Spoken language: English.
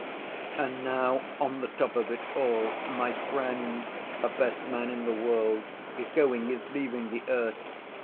"And now on the top of it all, my friend, the best man in the world, is going, is leaving the earth!